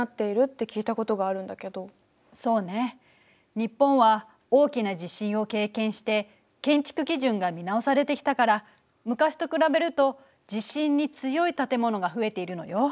日本は大きな地震を経験して建築基準が見直されてきたから昔と比べると地震に強い建物が増えているのよ。